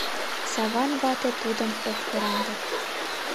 Саван вате тудым ок кораҥде.